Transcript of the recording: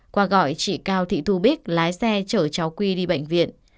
quang gọi trị cao thị thu bích lái xe chở cháu quy đi bệnh viện